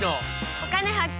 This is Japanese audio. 「お金発見」。